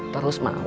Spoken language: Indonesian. terus mau sama kamu